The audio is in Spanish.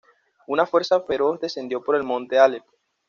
Una fuerza feroz descendió por el Monte Aleph.